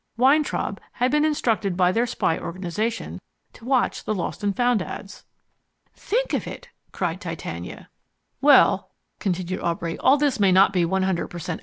Weintraub had been instructed by their spy organization to watch the LOST and FOUND ads." "Think of it!" cried Titania. "Well," continued Aubrey, "all this may not be 100 per cent.